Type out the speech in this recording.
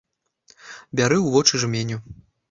Бяры вочы ў жменю.